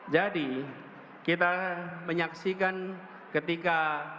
jadi kita menyaksikan ketika